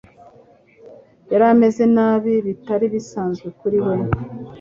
Yari ameze nabi, bitari bisanzwe kuri we.